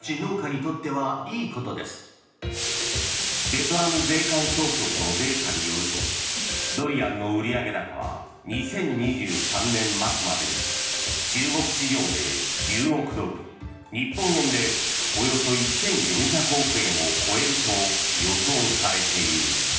ベトナム税関総局のデータによるとドリアンの売上高は２０２３年末までに中国市場で１０億ドル日本円でおよそ１４００億円を超えると予想されている。